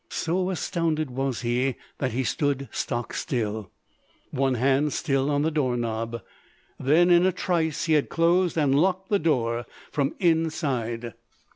So astounded was he that he stood stock still, one hand still on the door knob; then in a trice he had closed and locked the door from inside.